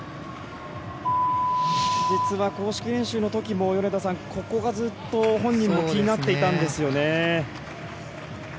実は、公式練習のときもここがずっと本人も気になっていたんですよね。